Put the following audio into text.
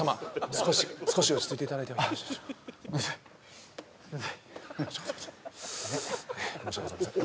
少し少し落ち着いていただいてもよろしいでしょうかごめんなさいすいません申し訳ございません